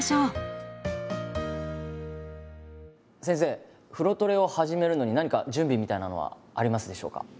先生風呂トレを始めるのに何か準備みたいなのはありますでしょうか？